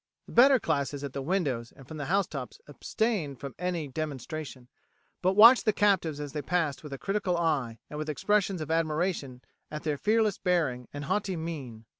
The better classes at the windows and from the housetops abstained from any demonstration, but watched the captives as they passed with a critical eye, and with expressions of admiration at their fearless bearing and haughty mien.